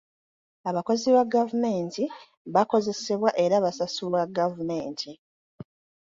Abakozi ba gavumenti bakozesebwa era basasulwa gavumenti.